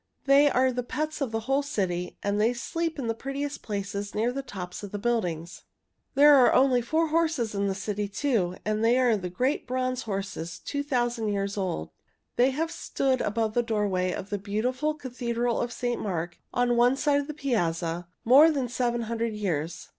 They are the pets of the whole city, and they sleep in the prettiest places near the tops of the buildings. [Illustration: The great bronze horses at the Cathedral of St. Mark] There are only four horses in the city, too, and they are great bronze horses two thousand years old. They have stood above the doorway of the beautiful Cathedral of St. Mark, on one side of the piazza, more than seven hundred years.